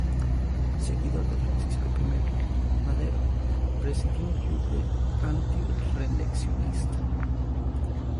Seguidor de Francisco I. Madero, presidió un club antirreeleccionista.